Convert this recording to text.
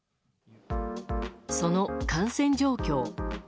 その感染状況。